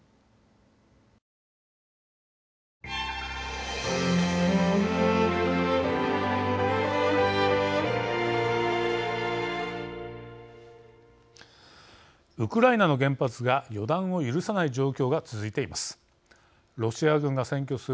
ウクライナの原発が予断を許さない状況が続いています。